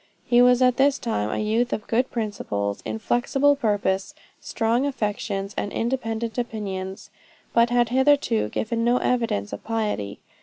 He was at this time a youth of good principles, inflexible purpose, strong affections, and independent opinions, but had hitherto given no evidence of piety.